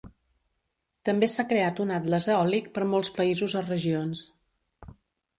També s'ha creat un atles eòlic per molts països o regions.